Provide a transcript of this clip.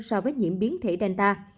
so với nhiễm biến thể delta